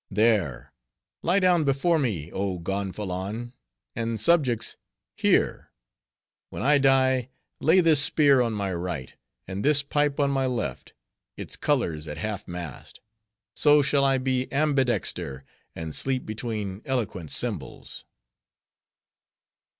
There, lie down before me, oh Gonfalon! and, subjects, hear,—when I die, lay this spear on my right, and this pipe on my left, its colors at half mast; so shall I be ambidexter, and sleep between eloquent symbols."